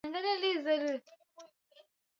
kwa bidhaa za cocoa na kahawa kama njia mojawapo